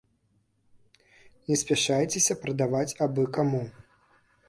Не спяшайцеся прадаваць абы каму.